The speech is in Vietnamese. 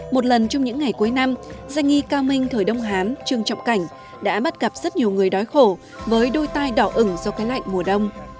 một lần trong những ngày cuối năm gia nghi cao minh thời đông hán trương trọng cảnh đã bắt gặp rất nhiều người đói khổ với đôi tay đỏ ửng do cái lạnh mùa đông